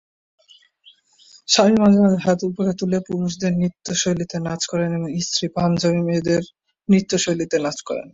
স্বামী, মাঝেমাঝে হাত উপরে তুলে, পুরুষদের নৃত্য শৈলীতে নাচ করেন এবং স্ত্রী, পাঞ্জাবি মেয়েদের নৃত্য শৈলীতে নাচ করেন।